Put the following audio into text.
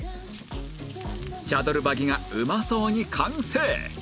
チャドルバギがうまそうに完成